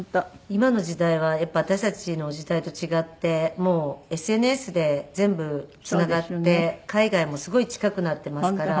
今の時代はやっぱり私たちの時代と違ってもうＳＮＳで全部つながって海外もすごい近くなってますから。